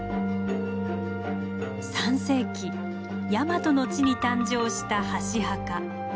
３世紀ヤマトの地に誕生した箸墓。